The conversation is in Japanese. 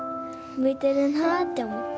向いてるなって思って。